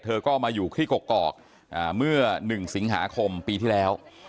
เธอก็มาอยู่ที่กกอกเมื่อ๑สิงหาคมปีที่แล้ว